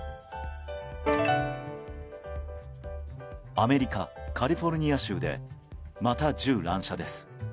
アメリカ・カリフォルニア州でまた銃乱射です。